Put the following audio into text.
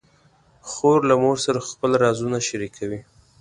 خور له مور سره خپل رازونه شریکوي.